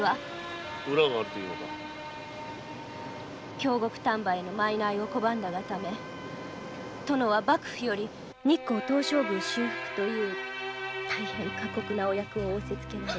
京極丹羽へのマイナイを拒んだがため殿は幕府より日光東照宮修復という大変過酷なお役を仰せつけられ。